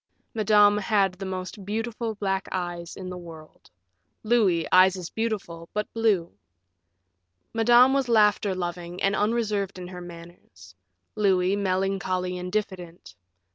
Madame had the most beautiful black eyes in the world; Louis, eyes as beautiful, but blue. Madame was laughter loving and unreserved in her manners; Louis, melancholy and diffident.